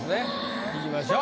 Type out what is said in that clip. いきましょう。